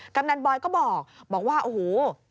กำนันบอยก็บอกว่าโอ้โห